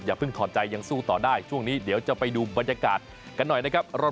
เพิ่งถอดใจยังสู้ต่อได้ช่วงนี้เดี๋ยวจะไปดูบรรยากาศกันหน่อยนะครับ